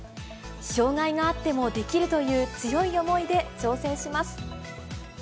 障がいがあってもできるという強い思いで挑戦します。